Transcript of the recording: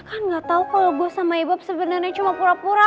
kalau gue sama ibob sebenarnya cuma pura pura